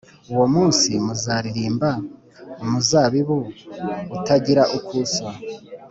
Uwo munsi, muzaririmba umuzabibu utagira uko usa: